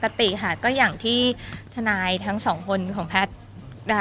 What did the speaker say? ไม่มีอะไรเลยค่ะปกติค่ะก็อย่างที่ทนายทั้งสองคนของแพทย์